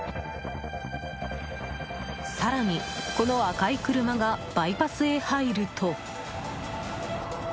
更に、この赤い車がバイパスへ入ると。